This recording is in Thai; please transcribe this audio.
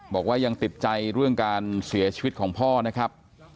บอกว่ายังติดใจเรื่องการเสียชีวิตของพ่อนะครับ